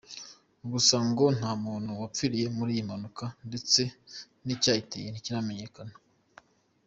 Gusa ngo nta muntu wapfiriye muri iyi mpanuka ndetse n’icyayiteye ntikiramenyekana.